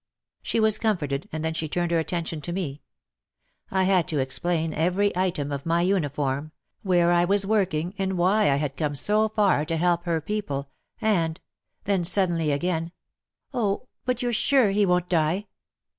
She was comforted, and then she turned her attention to me. I had to explain every item of my uniform — where I was working and why I had come so far to help her people, and — then suddenly again, Oh ! but you're sure he won't die